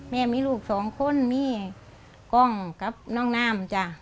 แม่มีลูกสองคนมีกล้องกับน้องนามจ้ะ